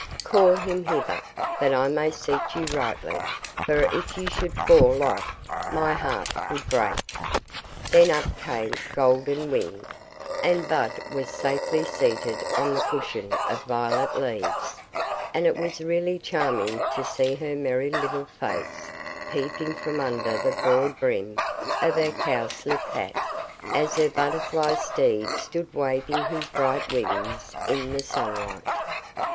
Call him hither, that I may seat you rightly, for if you should fall off my heart would break." Then up came Golden Wing, and Bud was safely seated on the cushion of violet leaves; and it was really charming to see her merry little face, peeping from under the broad brim of her cow slip hat, as her butterfly steed stood waving his bright wings in the sunlight.